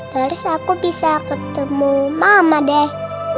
terus aku bisa ketemu mama deh